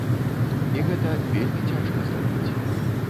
І гэта вельмі цяжка зрабіць.